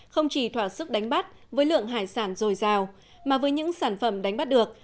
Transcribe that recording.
không chỉ thỏa sức đánh bắt với lượng hải sản dồi dào mà với những sản phẩm đánh bắt được